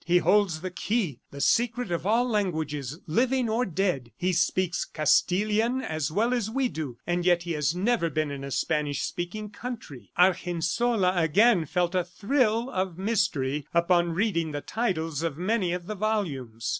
He holds the key, the secret of all languages, living or dead. He speaks Castilian as well as we do, and yet he has never been in a Spanish speaking country." Argensola again felt a thrill of mystery upon reading the titles of many of the volumes.